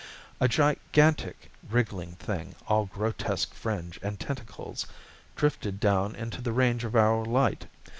A gigantic wriggling thing, all grotesque fringe and tentacles, drifted down into the range of our light.